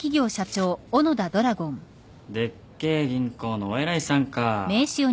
でっけえ銀行のお偉いさんか。